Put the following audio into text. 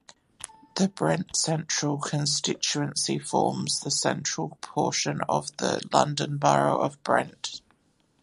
The Brent Central constituency forms the central portion of the London Borough of Brent.